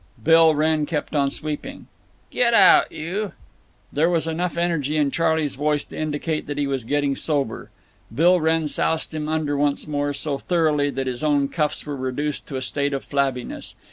Bill Wrenn kept on sweeping. "Get out, you——." There was enough energy in Charley's voice to indicate that he was getting sober. Bill Wrenn soused him under once more, so thoroughly that his own cuffs were reduced to a state of flabbiness.